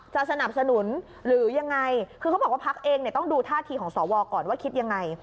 สนับสนุนหรือยังไงคือเขาบอกว่าพักเองเนี่ยต้องดูท่าทีของสวก่อนว่าคิดยังไง